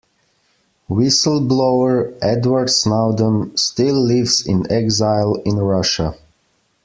Whistle-blower Edward Snowden still lives in exile in Russia.